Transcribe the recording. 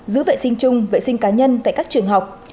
giữ vệ sinh chung vệ sinh cá nhân tại các trường học